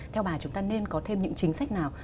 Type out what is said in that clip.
theo bà chúng ta nên có thêm những chính sách nào